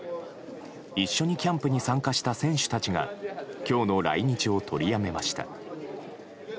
一緒にキャンプに参加した選手たちが今日の来日を取りやめました。